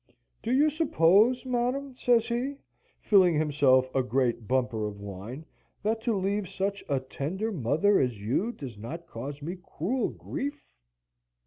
"Do you suppose, madam," says he, filling himself a great bumper of wine, "that to leave such a tender mother as you does not cause me cruel grief?"